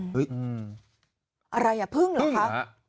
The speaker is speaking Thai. เฮ้ยอะไรอ่ะเพิ่งเหรอครับ